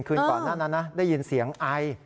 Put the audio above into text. คืนก่อนหน้านั้นนะได้ยินเสียงไอ